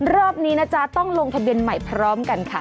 รอบนี้นะจ๊ะต้องลงทะเบียนใหม่พร้อมกันค่ะ